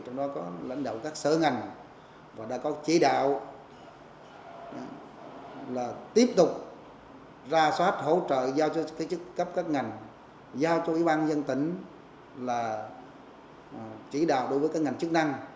trong đó có lãnh đạo các sở ngành và đã có chỉ đạo là tiếp tục ra soát hỗ trợ giao cho các cấp các ngành giao cho ủy ban dân tỉnh là chỉ đạo đối với các ngành chức năng